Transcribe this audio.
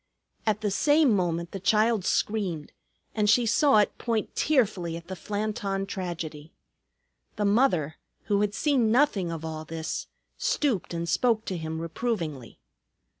At the same moment the child screamed, and she saw it point tearfully at the Flanton tragedy. The mother, who had seen nothing of all this, stooped and spoke to him reprovingly.